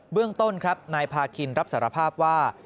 เรื่องต้นครับนายพาคินรับสารภาพว่า